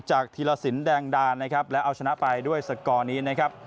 ธีรสินแดงดานนะครับแล้วเอาชนะไปด้วยสกอร์นี้นะครับ